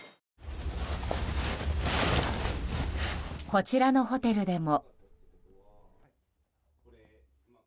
こちらのホテルでも。